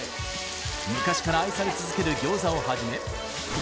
昔から愛され続ける餃子をはじめ